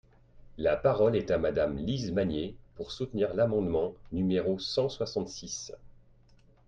La parole est à Madame Lise Magnier, pour soutenir l’amendement numéro cent soixante-six.